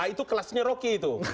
itu kelasnya rocky itu